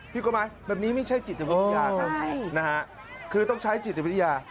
กฎหมายแบบนี้ไม่ใช่จิตวิทยาครับนะฮะคือต้องใช้จิตวิทยา